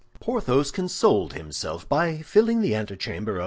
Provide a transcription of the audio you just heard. Porthos consoled himself by filling the antechamber of M.